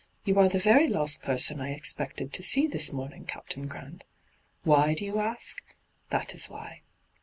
' You are the very last person I expected to see this morning, Captain Grant. Why, do you ask ? That is why.'